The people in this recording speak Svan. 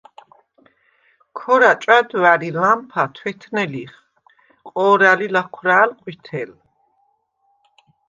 ქორა̈ ჭვა̈დვა̈რ ი ლამფა თვეთნე ლიხ, ყო̄რა̈ლ ი ლაჴვრა̄̈̈ლ – ყვითელ.